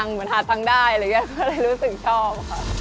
อ็อกประเทศครั้งแรกก็คือสิงคโปร